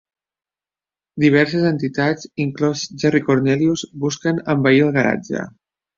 Diverses entitats, inclòs Jerry Cornelius, busquen envair el garatge.